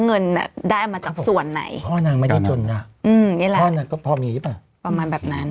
เงินได้มาจากส่วนไหนพ่อนางไม่ได้จนนะพ่อนางก็พอมีอีกประมาณแบบนั้น